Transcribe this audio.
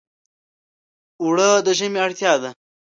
اوړه د ژمي اړتیا ده